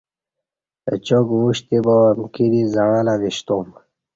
اچاک وُشتی با امکی دی زعݩلہ وشتو م